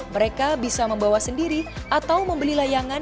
mereka bisa membawa sendiri atau membeli layangan